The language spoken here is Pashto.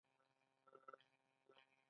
د افغانستان اقتصاد په لویه کچه په کرنه ولاړ دی